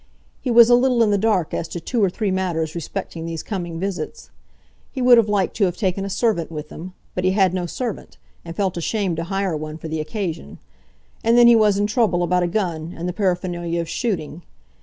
He was a little in the dark as to two or three matters respecting these coming visits. He would have liked to have taken a servant with him; but he had no servant, and felt ashamed to hire one for the occasion. And then he was in trouble about a gun, and the paraphernalia of shooting.